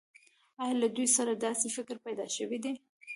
آیا له دوی سره داسې فکر پیدا شوی دی